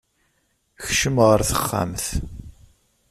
Kcem ɣer texxamt.